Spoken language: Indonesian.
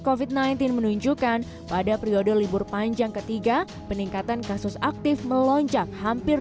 covid sembilan belas menunjukkan pada periode libur panjang ketiga peningkatan kasus aktif melonjak hampir